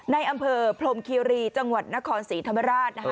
ในอำเภอพรมคีรีจังหวัดนครศรีธรรมราช